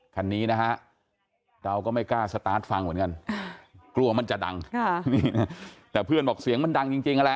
คันนี้นะฮะเราก็ไม่กล้าสตาร์ทฟังเหมือนกันกลัวมันจะดังแต่เพื่อนบอกเสียงมันดังจริงอะไร